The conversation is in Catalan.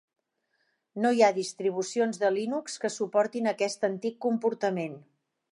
No hi ha distribucions de Linux que suportin aquest antic comportament.